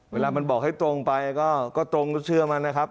เวลามันบอกให้ตรงไปก็ตรงก็เชื่อมันนะครับ